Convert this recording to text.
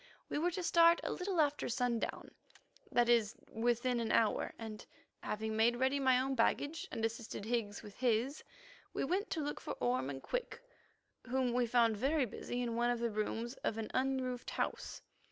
We were to start a little after sundown, that is, within an hour, and, having made ready my own baggage and assisted Higgs with his, we went to look for Orme and Quick, whom we found very busy in one of the rooms of an unroofed house.